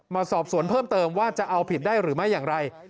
มาสอบสวนเพิ่มเติมว่าจะเอาผิดได้หรือไม่อย่างไร